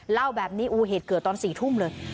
เล่าแบบนี้อู้เหตุเกิดตอน๔ทุ่มเลย